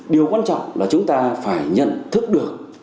điều quan trọng là chúng ta phải nhận thức được